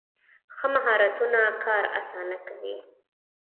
ښه مهارتونه کار اسانه کوي.